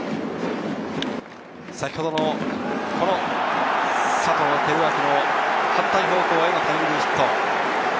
先ほどの佐藤輝明の反対方向へのタイムリーヒット。